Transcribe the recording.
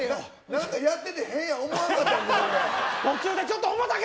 何かやってて変や思わなかったの？